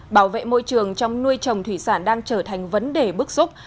bảo vệ môi trường trong nuôi trồng thủy sản đang trở thành vấn đề bức xúc